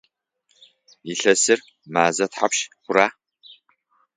Илъэсыр мэзэ тхьапш хъура?